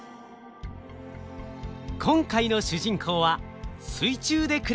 今回の主人公は水中で暮らす生き物魚。